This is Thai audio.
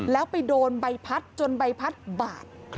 แล้วไปโดนใบพัดจนใบพัดบาด